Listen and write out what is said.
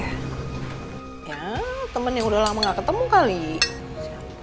ya temen yang udah lama gak ketemu kali